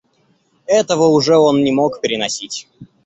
Этого уже он не мог переносить.